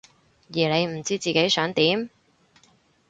而你唔知自己想點？